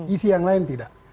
isi yang lain tidak